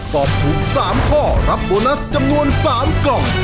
ตอบถูก๓ข้อรับโบนัสจำนวน๓กล่อง